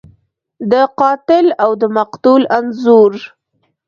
د قاتل او د مقتول انځور